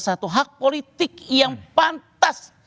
satu hak politik yang pantas